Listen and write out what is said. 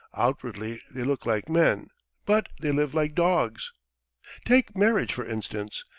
Outwardly they look like men, but they live like dogs. Take marriage for instance.